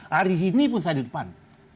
hari ini pun saya di depan